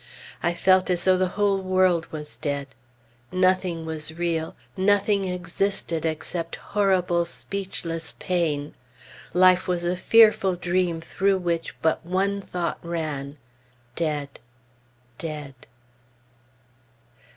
I felt as though the whole world was dead. Nothing was real, nothing existed except horrible speechless pain. Life was a fearful dream through which but one thought ran "Dead Dead!"